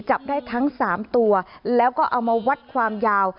จับได้ทั้ง๓ตัวแล้วก็เอามาวัดความยาว